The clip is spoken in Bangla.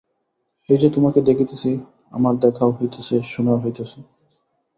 এই যে তোমাকে দেখিতেছি, আমার দেখাও হইতেছে শোনাও হইতেছে।